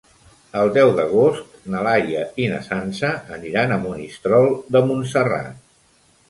El deu d'agost na Laia i na Sança aniran a Monistrol de Montserrat.